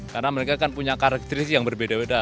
karena mereka kan punya karakteristik yang berbeda beda